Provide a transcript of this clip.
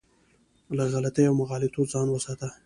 له غلطیو او مغالطو ځان وساتي.